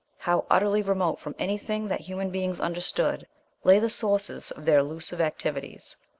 How utterly remote from anything that human beings understood lay the sources of their elusive activities.